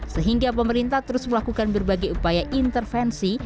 sehingga pemerintah terus melakukan berbagai upaya intervensi